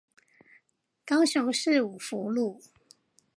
高雄市五福路